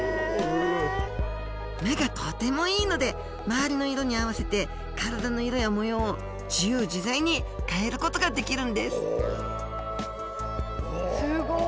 目がとてもいいので周りの色に合わせて体の色や模様を自由自在に変えることができるんですすごい！